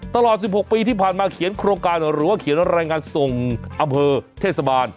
ตลอด๑๖ปีที่ผ่านมาเขียนโครงการหรือว่าเขียนรายงานส่งอำเภอเทศบาล